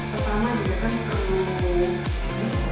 terutama juga kan kondisi